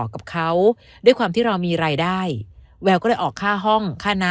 กับเขาด้วยความที่เรามีรายได้แววก็เลยออกค่าห้องค่าน้ำ